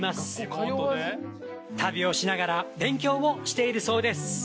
旅をしながら勉強をしているそうです。